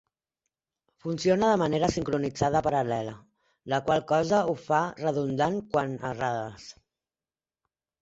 Funciona de manera sincronitzada paral·lela, la qual cosa ho fa redundant quant a errades.